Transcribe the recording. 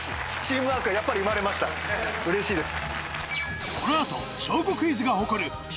うれしいです。